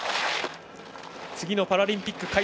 次のパラリンピック